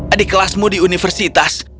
adik kelasmu di universitas